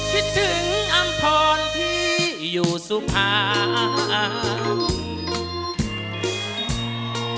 คิดถึงอำพรที่อยู่สุภา